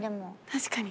確かに。